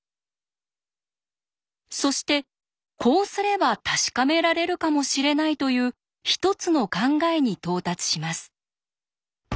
そしてこうすれば確かめられるかもしれないという一つの考えに到達します。